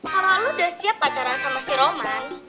kalo lo udah siap pacaran sama si roman